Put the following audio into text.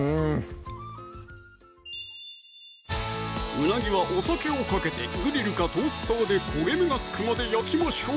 うなぎはお酒をかけてグリルかトースターで焦げ目がつくまで焼きましょう！